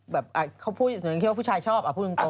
แบบเขาพูดแค่ว่าผู้ชายชอบแบบลึงกล่อง